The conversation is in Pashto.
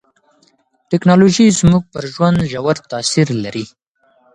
ټکنالوژي زموږ پر ژوند ژور تاثیر لري.